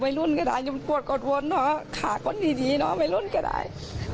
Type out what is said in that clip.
โว้ยยังไงมันตายละมันกดอดว้นเนาะขาก๊อดเนาะไม่รุ่นก็ได้